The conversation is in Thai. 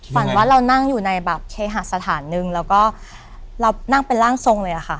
ฝันว่าเรานั่งอยู่ในแบบเคหาสถานหนึ่งแล้วก็เรานั่งเป็นร่างทรงเลยค่ะ